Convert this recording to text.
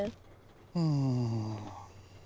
うん。